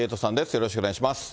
よろしくお願いします。